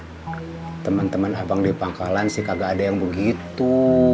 karena teman teman abang di pangkalan sih kagak ada yang begitu